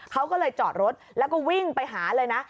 เขาก็เลยจอดรถแล้วก็วิ่งไปหาเลยนะ